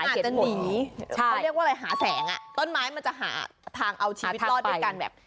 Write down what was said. อาจจะหนีเขาเรียกว่าอะไรหาแสงอ่ะต้นไม้มันจะหาทางเอาชีวิตรอดด้วยการแบบ